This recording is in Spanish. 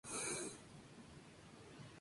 Son nativos de los trópicos del Viejo Mundo.